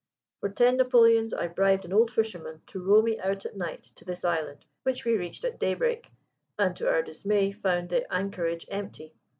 For ten napoleons I bribed an old fisherman to row me out at night to this island, which we reached at daybreak, and to our dismay found the anchorage empty.